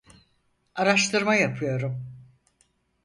Araştırma yapıyorum.